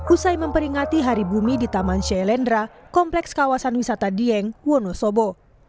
usai memperingati hari bumi di taman syailendra kompleks kawasan wisata dieng wonosobo